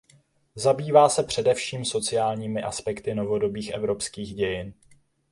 Zabývá se především sociálními aspekty novodobých evropských dějin.